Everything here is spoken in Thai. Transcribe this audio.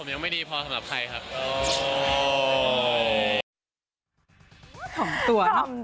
อ๋อผมรู้สึกว่า